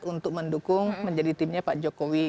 untuk mendukung menjadi timnya pak jokowi